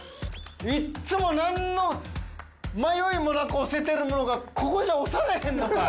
いっつもなんの迷いもなく押せてるのがここで押されへんのかい！